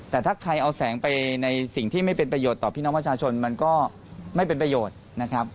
แต่ถ้าใครเอาแสงไปในสิ่งที่ไม่เป็นประโยชน์ต่อพี่น้องประชาชนมันก็ไม่เป็นประโยชน์นะครับ